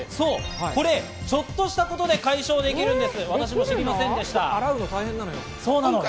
ちょっとしたことで解消できるんです。